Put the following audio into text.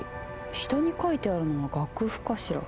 下に書いてあるのは楽譜かしら？